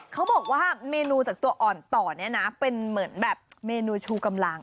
เขาบอกว่าเมนูจากตัวอ่อนต่อเนี่ยนะเป็นเหมือนแบบเมนูชูกำลัง